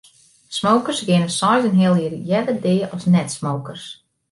Smokers geane seis en in heal jier earder dea as net-smokers.